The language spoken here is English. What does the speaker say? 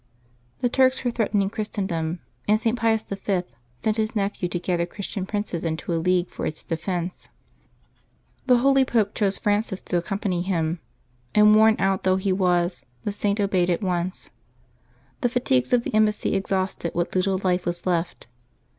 The Turks were threatening Christendom, and St. Pius V. sent his nephew 334 LIVES OF THE SAINTS [Octobeb 11 to gather Christian princes into a league for its defence. The holy Pope chose Francis to accompany him, and, worn out though he was, the Saint obeyed at once. The fatigues of the embassy exhausted what little life was left.